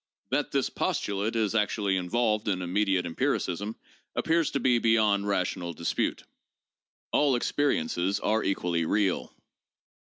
That this postulate is actually involved in immediate empiricism appears to be beyond rational dispute. All experiences are equally real.